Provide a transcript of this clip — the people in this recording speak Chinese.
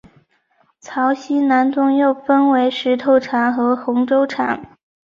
曹溪南宗又分为石头禅和洪州禅。